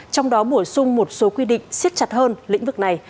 trong đó bổ sung một số quy định siết chặt hơn lĩnh vực này